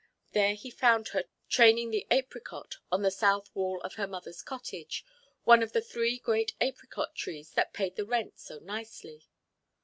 There he found her training the apricot on the south wall of her motherʼs cottage, one of the three great apricot–trees that paid the rent so nicely.